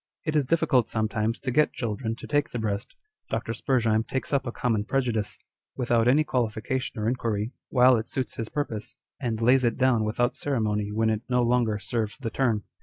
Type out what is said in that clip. It is difficult sometimes to get children to take the breast. Dr. S. takes up a common prejudice, without any qualification or inquiry, while it suits his purpose, and lays it down without ceremony when it no longer serves the turn.